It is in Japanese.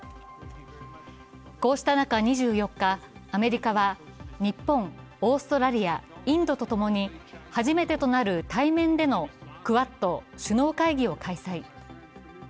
こうした中、２４日、アメリカは日本、オーストラリア、インドとともに初めてとなる対面でのクアッド首脳会議を開催。